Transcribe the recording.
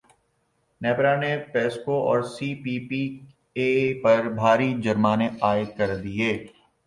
نیپرا نے پیسکو اور سی پی پی اے پر بھاری جرمانے عائد کردیے